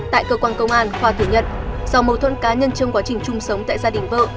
tại cơ quan công an hòa thừa nhận do mâu thuẫn cá nhân trong quá trình chung sống tại gia đình vợ